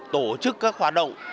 tổ chức các hoạt động